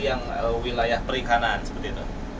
potensi yang wilayah peringkatan seperti itu